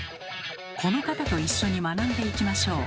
この方と一緒に学んでいきましょう。